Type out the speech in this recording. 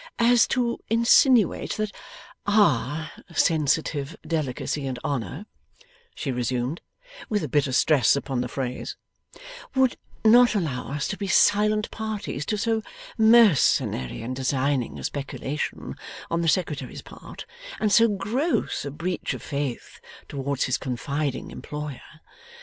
' As to insinuate that OUR sensitive delicacy and honour,' she resumed, with a bitter stress upon the phrase, 'would not allow us to be silent parties to so mercenary and designing a speculation on the Secretary's part, and so gross a breach of faith towards his confiding employer.